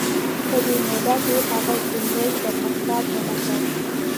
په دې موده کې هغه کوم لوی پرمختګ ونه کړ.